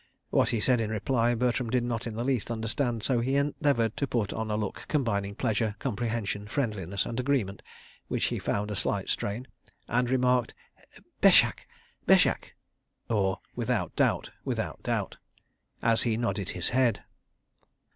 What he said in reply, Bertram did not in the least understand, so he endeavoured to put on a look combining pleasure, comprehension, friendliness and agreement—which he found a slight strain—and remarked: "Béshak! Béshak!" {38b} as he nodded his head.